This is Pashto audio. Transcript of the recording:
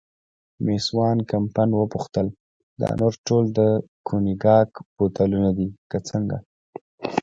مېس وان کمپن وپوښتل: دا نور ټول د کونیګاک بوتلونه دي که څنګه؟